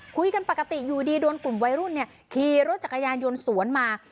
คุยกันปกติอยู่ดีโดนกลุ่มวัยรุ่นขี่รถจักรยานยนต์สวนมา